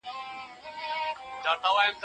ولي زیارکښ کس د مخکښ سړي په پرتله برخلیک بدلوي؟